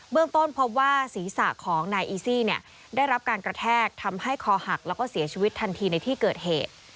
ต้นพบว่าศีรษะของนายอีซี่เนี่ยได้รับการกระแทกทำให้คอหักแล้วก็เสียชีวิตทันทีในที่เกิดเหตุ